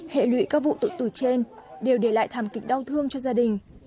hệ lụy các vụ tự tử trên đều để lại thảm kịch đau thương cho gia đình